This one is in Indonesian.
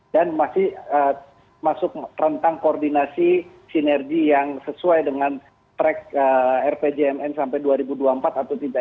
dan masih masuk rentang koordinasi sinergi yang sesuai dengan track rpjmn sampai dua ribu dua puluh empat atau tidak